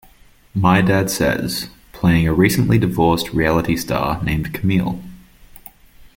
My Dad Says, playing a recently divorced reality star named Camille.